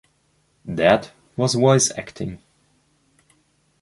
That was voice acting.